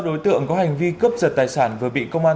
ba đối tượng có hành vi cấp giật tài sản vừa bị công an